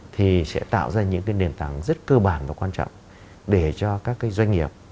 thì sẽ tạo ra những nền tảng rất cơ bản và quan trọng để cho các doanh nghiệp